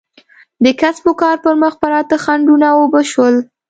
د کسب و کار پر مخ پراته خنډونه اوبه شول.